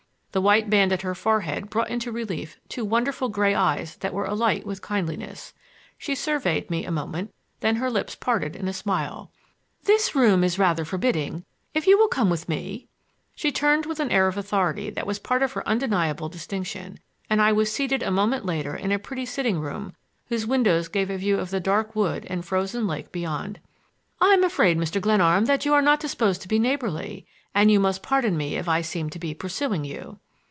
The white band at her forehead brought into relief two wonderful gray eyes that were alight with kindliness. She surveyed me a moment, then her lips parted in a smile. "This room is rather forbidding; if you will come with me—" She turned with an air of authority that was a part of her undeniable distinction, and I was seated a moment later in a pretty sitting room, whose windows gave a view of the dark wood and frozen lake beyond. "I'm afraid, Mr. Glenarm, that you are not disposed to be neighborly, and you must pardon me if I seem to be pursuing you."